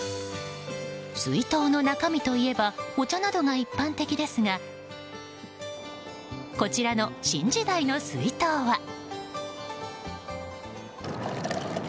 水筒の中身といえばお茶などが一般的ですがこちらの新時代の水筒は。